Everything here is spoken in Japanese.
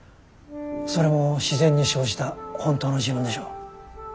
それも自然に生じた本当の自分でしょう。